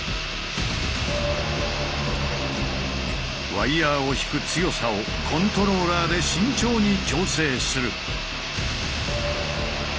ワイヤーを引く強さをコントローラーで慎重に調整する。